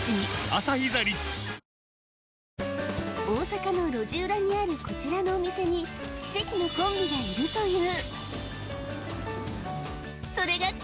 大阪の路地裏にあるこちらのお店に奇跡のコンビがいるというそれが